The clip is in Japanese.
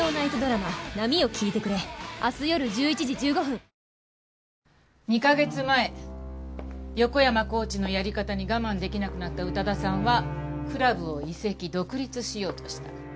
選ぶ日がきたらクリナップ２カ月前横山コーチのやり方に我慢できなくなった宇多田さんはクラブを移籍独立しようとした。